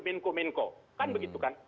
menko menko kan begitu kan